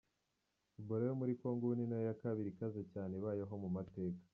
"Ebola yo muri Kongo ubu ni yo ya kabiri ikaze cyane ibayeho mu mateka.